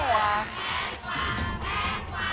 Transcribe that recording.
แพงกว่า